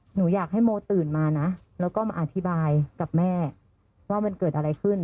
หนูอยากให้โมตื่นมานะแล้วก็มาอธิบายกับแม่ว่ามันเกิดอะไรขึ้น